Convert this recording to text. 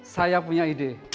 saya punya ide